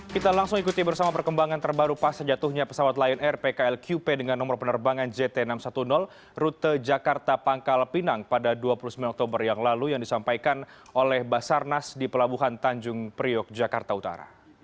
kita langsung ikuti bersama perkembangan terbaru pas jatuhnya pesawat lion air pkl qp dengan nomor penerbangan jt enam ratus sepuluh rute jakarta pangkal pinang pada dua puluh sembilan oktober yang lalu yang disampaikan oleh basarnas di pelabuhan tanjung priok jakarta utara